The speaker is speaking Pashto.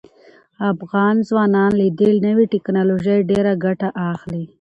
افغان ځوانان له دې نوې ټیکنالوژۍ ډیره ګټه اخلي.